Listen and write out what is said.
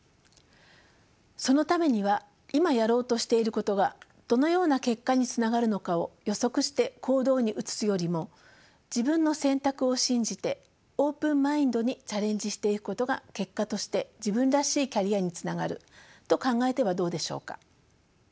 そのためには今やろうとしていることがどのような結果につながるのかを予測して行動に移すよりも自分の選択を信じてオープンマインドにチャレンジしていくことが結果として自分らしいキャリアにつながると考えてはどうでしょうか。